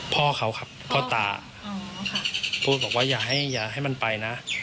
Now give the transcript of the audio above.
พ่อเขาครับพ่อตาพูดบอกว่าอย่าให้อย่าให้มันไปนะ